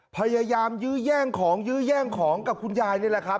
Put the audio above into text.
พยายามยื้อแย่งของยื้อแย่งของกับคุณยายนี่แหละครับ